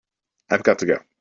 I've got to go.